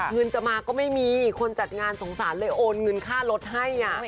เงินจะมาก็ไม่มีคนจัดงานสงสารเลยโอนเงินค่ารถให้